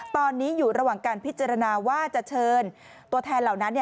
ตอนนี้อยู่ระหว่างการพิจารณาว่าจะเชิญตัวแทนเหล่านั้น